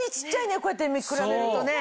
こうやって見比べるとね。